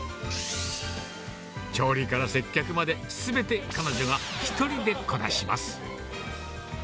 調理から接客まで、すべて彼女が１人でこなします。